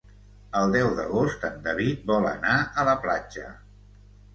El deu d'agost en David vol anar a la platja.